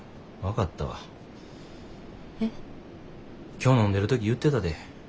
今日飲んでる時言ってたで。